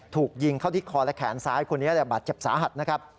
ถูกยิงเข้าที่คอและแขนซ้ายคนนี้บาดเจ็บสาหัสนะครับ